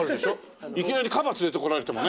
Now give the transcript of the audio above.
いきなりカバ連れて来られてもね。